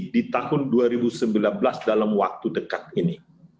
di tahun dua ribu sembilan belas dalam waktu dekat ini